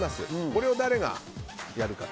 これを誰がやるか。